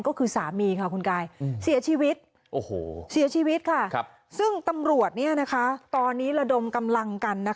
ก็คือสามีค่ะคุณกายเสียชีวิตเสียชีวิตค่ะซึ่งตำรวจตอนนี้ระดมกำลังกัน